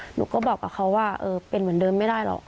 หนูก็บอกกับเขาว่าเป็นเหมือนเดิมไม่ได้หรอก